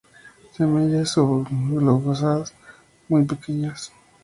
Semillas subglobosas, muy pequeñas.